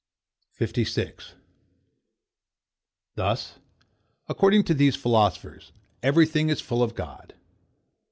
56. Thus, according to these philosophers, every thing is full of God.